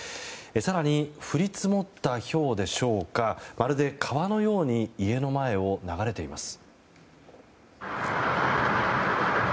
更に、降り積もったひょうでしょうかまるで川のように家の前を流れています。